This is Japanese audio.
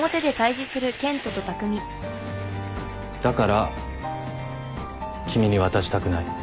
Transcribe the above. だから君に渡したくない。